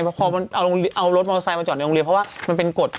พอเอารถโมทอสไทยมาจอดในอุโรงเรียนเพราะว่ามันเป็นกฎ